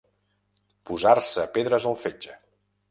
Posar-se pedres al fetge.